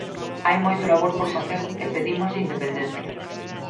Hai moito labor por facer e pedímoslle independencia.